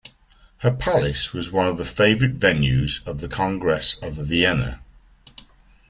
Her palace was one of the favourite venues of the Congress of Vienna.